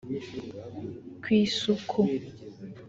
ku isuku